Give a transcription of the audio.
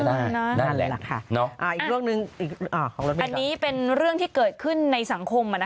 อันนี้เป็นเรื่องที่เกิดขึ้นในสังคม